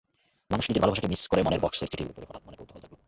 মানুষ নিজের ভালোবাসাকে মিস করেমনের বক্স-এর চিঠিগুলো পড়ে হঠাৎ মনে কৌতূহল জাগল।